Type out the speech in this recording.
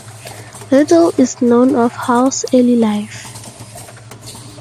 Little is known of Hall's early life.